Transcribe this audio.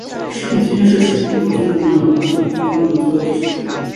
圣天是许多重要的中观派论着的作者。